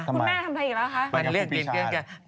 ทำไมทำอะไรอีกแล้วคะไปขักขอคุณพี่ชาญ